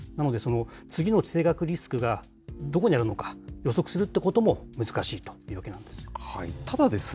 なので、次の地政学リスクがどこにあるのか、予測するってことも難しいというわけです。